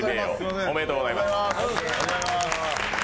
おめでとうございます。